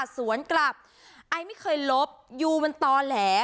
สวนกลับไอไม่เคยลบยูมันต่อแหล